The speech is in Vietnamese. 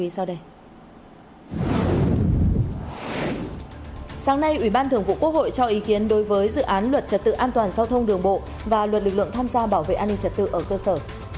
sáng nay ủy ban thường vụ quốc hội cho ý kiến đối với dự án luật trật tự an toàn giao thông đường bộ và luật lực lượng tham gia bảo vệ an ninh trật tự ở cơ sở